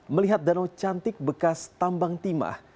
melihat danau cantik bekas tambang timah